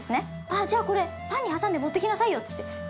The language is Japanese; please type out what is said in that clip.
「あじゃあこれパンに挟んで持っていきなさいよ」って言って。